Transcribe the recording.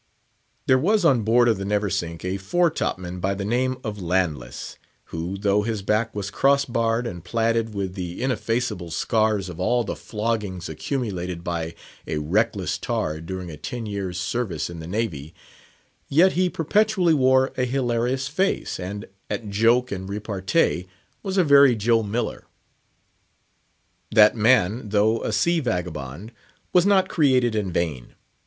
There was on board of the Neversink a fore top man by the name of Landless, who, though his back was cross barred, and plaided with the ineffaceable scars of all the floggings accumulated by a reckless tar during a ten years' service in the Navy, yet he perpetually wore a hilarious face, and at joke and repartee was a very Joe Miller. That man, though a sea vagabond, was not created in vain.